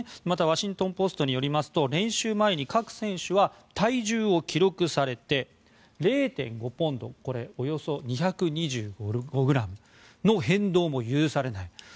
またワシントン・ポストによりますと練習前に各選手は体重を記録されて０．５ポンドおよそ２２５ｇの変動も許されない。